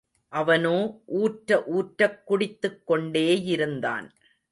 அவனோ ஊற்ற ஊற்றக் குடித்துக் கொண்டேயிருந்தான்.